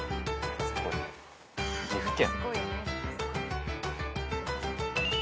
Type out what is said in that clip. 岐阜県。